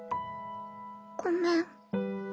ごめん。